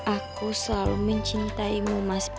aku selalu mencintaimu mas